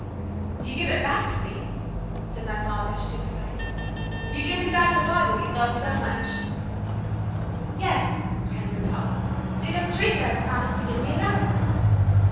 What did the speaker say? "You give it back to me!" said my father, stupefied, "You give me back the Bible you loved so much!" "Yes," answered Paula, "because Teresa has promised to give me another."